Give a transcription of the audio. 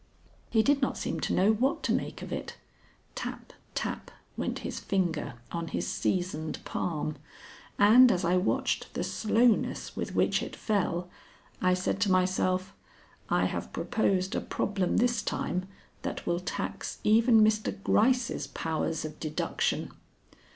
He did not seem to know what to make of it. Tap, tap went his finger on his seasoned palm, and as I watched the slowness with which it fell, I said to myself, "I have proposed a problem this time that will tax even Mr. Gryce's powers of deduction."